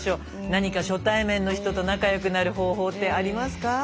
何か初対面の人と仲良くなる方法ってありますか？